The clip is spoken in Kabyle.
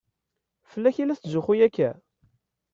Fell-ak i la tetzuxxu akka?